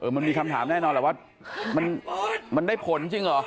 มันมีคำถามแน่นอนแหละว่ามันได้ผลจริงเหรอ